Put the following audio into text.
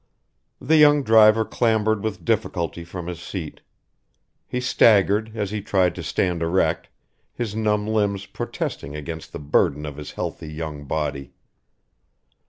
The young driver clambered with difficulty from his seat. He staggered as he tried to stand erect, his numb limbs protesting against the burden of his healthy young body.